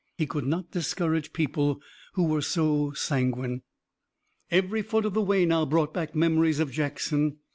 He could not discourage people who were so sanguine. Every foot of the way now brought back memories of Jackson.